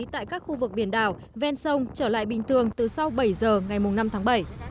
tại các khu vực biển đảo ven sông trở lại bình thường từ sau bảy giờ ngày năm tháng bảy